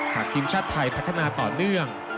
หากทีมชาติไทยพัฒนาต่อเนื่อง